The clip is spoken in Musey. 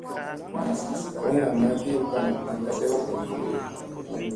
Boy namma ki suu kanu an ka dew wundi.